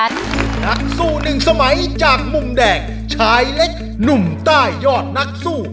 นักสู้หนึ่งสมัยจากมุมแดงชายเล็กหนุ่มใต้ยอดนักสู้